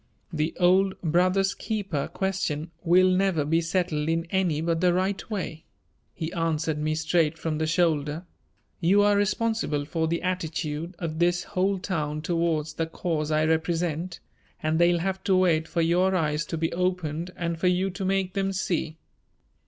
"The old 'brother's keeper' question will never be settled in any but the right way," he answered me straight from the shoulder. "You are responsible for the attitude of this whole town towards the cause I represent and they'll have to wait for your eyes to be opened and for you to make them see."